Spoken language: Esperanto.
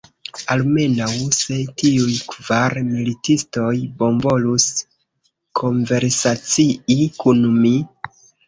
Almenaŭ, se tiuj kvar militistoj bonvolus konversacii kun mi!